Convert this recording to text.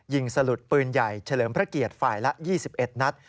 สลุดปืนใหญ่เฉลิมพระเกียรติฝ่ายละ๒๑นัด